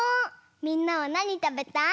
みんなはなにたべたい？